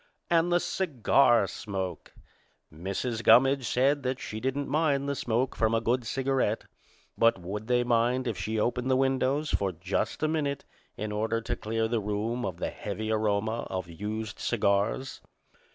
And the cigar smoke! Mrs. Gummidge said that she didn't mind the smoke from a good cigarette, but would they mind if she opened the windows for just a minute in order to clear the room of the heavy aroma of used cigars?